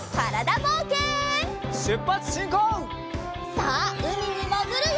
さあうみにもぐるよ！